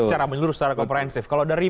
secara menyeluruh secara komprehensif kalau dari